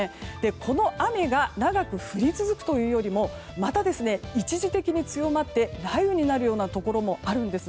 この雨が長く降り続くというよりまた、一時的に強まって雷雨になるところもあるんです。